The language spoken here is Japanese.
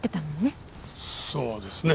そうですね。